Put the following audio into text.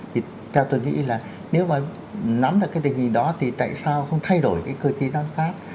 thì theo tôi nghĩ là nếu mà nắm được cái tình hình đó thì tại sao không thay đổi cái cơ chế giám sát